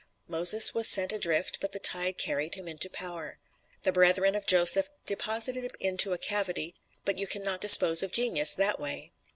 Moses was sent adrift, but the tide carried him into power. The brethren of Joseph "deposited him into a cavity," but you can not dispose of genius that way!